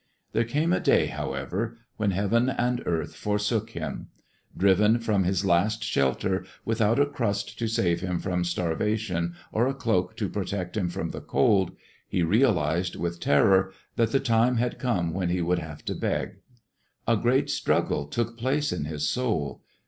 There came a day, however, when heaven and earth forsook him. Driven from his last shelter, without a crust to save him from starvation, or a cloak to protect him from the cold, he realized with terror that the time had come when he would have to beg. A great struggle took place in his soul.